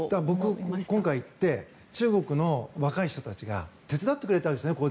僕、今回行って中国の若い人たちが手伝ってくれたんですね。